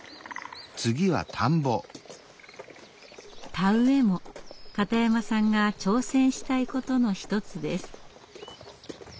田植えも片山さんが挑戦したいことの一つです。